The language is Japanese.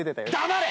黙れ！